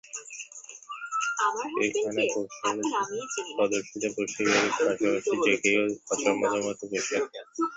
এখানে প্রদর্শিত পোশাকের পাশাপাশি যে কেউ চাইলে পছন্দমতো পোশাক বানিয়ে নিতে পারবেন।